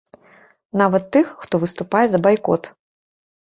Нават тых, хто выступае за байкот.